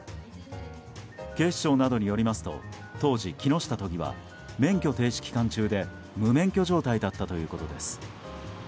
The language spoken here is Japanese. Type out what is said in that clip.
警視庁などによりますと当時、木下都議は免許停止期間中で無免許状態だったということです。